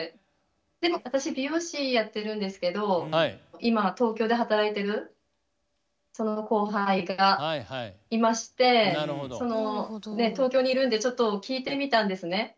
でも私美容師やってるんですけど今東京で働いてるその後輩がいまして東京にいるんでちょっと聞いてみたんですね。